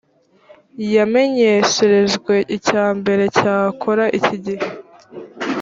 yamenyesherejwe icya mbere icyakora iki gihe